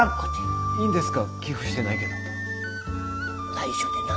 内緒でな。